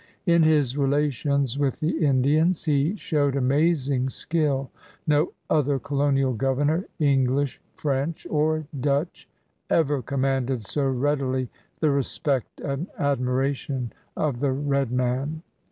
In his relations with the Indians he showed amazing skill. No other colonial governor, English, French, or Dutch, ever commanded so readily the respect and admiration of the red man.